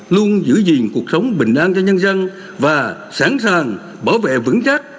luôn giữ gìn cuộc sống bình an cho nhân dân và sẵn sàng bảo vệ vững chắc